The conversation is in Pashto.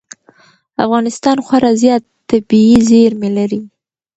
افغانستان خورا زیات طبعي زېرمې لري.